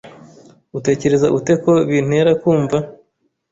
Utekereza ute ko bintera kumva?